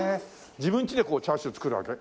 自分ちでこうチャーシュー作るわけ？